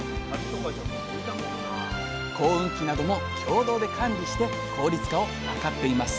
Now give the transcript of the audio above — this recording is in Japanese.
耕うん機なども共同で管理して効率化を図っています。